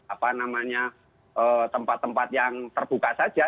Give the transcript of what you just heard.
apa namanya tempat tempat yang terbuka saja